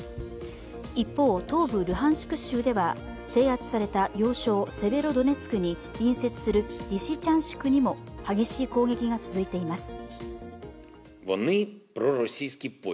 一方、東部ルハンシク州では制圧された要衝・セベロドネツクに隣接するリシチャンシクにも激しい攻撃が続いています。